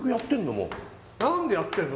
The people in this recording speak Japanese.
もう何でやってんの？